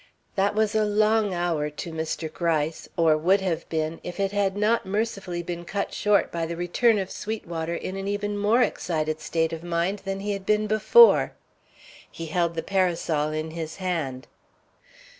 That was a long hour to Mr. Gryce, or would have been if it had not mercifully been cut short by the return of Sweetwater in an even more excited state of mind than he had been before. He held the parasol in his hand.